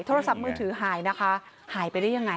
โทรศัพท์มือถือหายนะคะหายไปได้ยังไง